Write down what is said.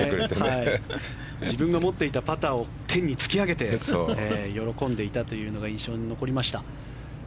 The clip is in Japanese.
自分が持っていたパターを天に突き上げて喜んでいたというのが印象に残りました。